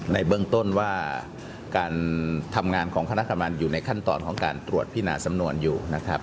ในเบื้องต้นว่าการทำงานของคณะทำงานอยู่ในขั้นตอนของการตรวจพินาสำนวนอยู่นะครับ